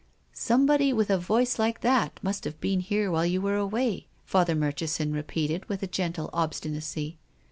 " Somebody with a voice like that must have been here while you were away," Father Murchi son repeated, with a gentle obstinacy.